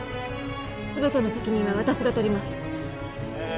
全ての責任は私が取りますえー